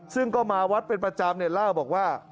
ซึ่งก็มาวัดเป็นประจำเนี่ยเล่าบอกว่า